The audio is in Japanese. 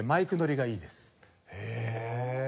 へえ。